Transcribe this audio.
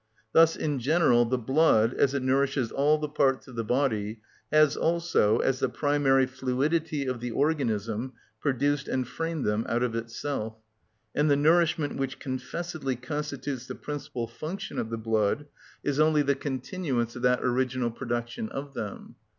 Thus in general the blood, as it nourishes all the parts of the body, has also, as the primary fluidity of the organism, produced and framed them out of itself. And the nourishment which confessedly constitutes the principal function of the blood is only the continuance of that original production of them.